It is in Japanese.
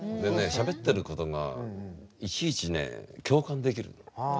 しゃべってることがいちいちね共感できるんだよ。